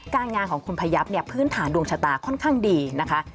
งานของคุณพยับเนี่ยพื้นฐานดวงชะตาค่อนข้างดีนะคะ